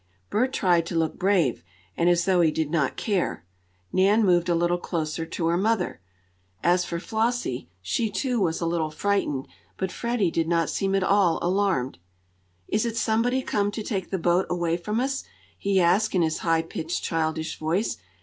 Bert tried to look brave, and as though he did not care. Nan moved a little closer to her mother. As for Flossie, she, too, was a little frightened, but Freddie did not seem at all alarmed. "Is it somebody come to take the boat away from us?" he asked in his high pitched, childish voice.